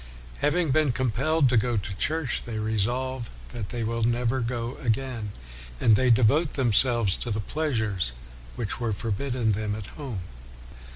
Having been compelled to go to church, they resolve that they will never go again, and they devote themselves to the pleasures which were forbidden them at home.